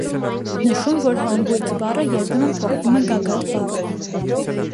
Նշում, որ հանգույց բառը երբեմն փոխվում է գագաթ բառով։